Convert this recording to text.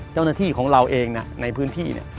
เจ้าหน้าที่ของเราเองนะในพื้นที่เนี่ย